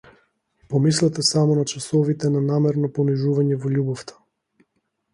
Помислете само на часовите на намерно понижување во љубовта!